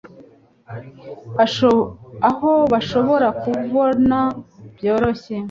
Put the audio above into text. aho bashobora kubona byoroshye